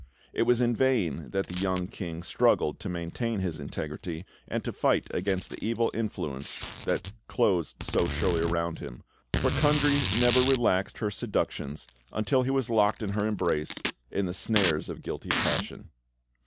It was in vain that the young King struggled to maintain his integrity and to fight against the evil influence that closed so surely around him; for Kundry never relaxed her seductions until he was locked in her embrace, in the snares of guilty passion.